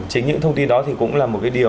chính những thông tin đó thì cũng là một cái điều